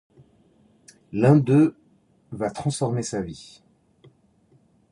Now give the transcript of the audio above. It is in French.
L'un d'eux va transformer sa vie.